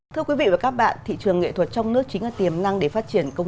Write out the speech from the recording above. thưa quý vị và các bạn thị trường nghệ thuật trong nước chính là tiềm năng để phát triển công